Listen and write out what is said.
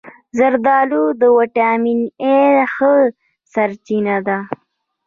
زردآلو د ویټامین A ښه سرچینه ده.